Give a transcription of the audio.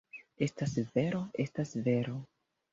Estas vero, estas vero!